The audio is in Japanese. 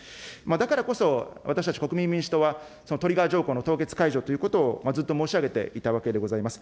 だからこそ、私たち国民民主党は、トリガー条項の凍結解除ということをずっと申し上げていたわけでございます。